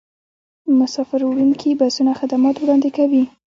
مسافروړونکي بسونه خدمات وړاندې کوي